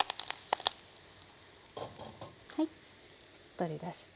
取り出して。